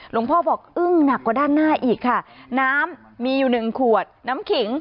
พ่อบอกอึ้งหนักกว่าด้านหน้าอีกค่ะน้ำมีอยู่หนึ่งขวดน้ำขิง